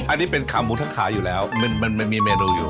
อันนี้เป็นขาหมูทั้งขาอยู่แล้วมันมีเมนูอยู่